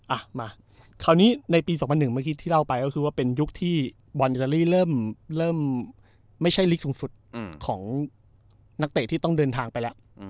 อ่ะมาคราวนี้ในปี๒๐๐๑เมื่อกี้ที่เล่าไปก็คือว่าเป็นยุคที่บอลอิตาลีเริ่มไม่ใช่ลีกสูงสุดของนักเตะที่ต้องเดินทางไปแล้ว